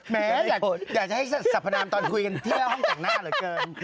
แม้อยากให้สับฮนาธิตอนคุยกันเที่ยวห้องจังห้าเหรอเกิน